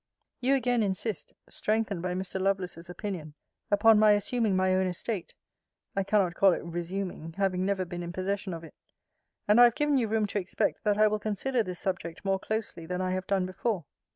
You again insist (strengthened by Mr. Lovelace's opinion) upon my assuming my own estate [I cannot call it resuming, having never been in possession of it]: and I have given you room to expect, that I will consider this subject more closely than I have done before.